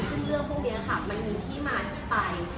ซึ่งเรื่องพวกนี้ค่ะมันมีที่มาที่ไป